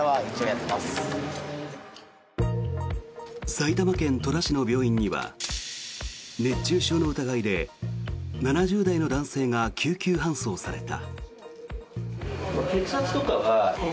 埼玉県戸田市の病院には熱中症の疑いで７０代の男性が救急搬送された。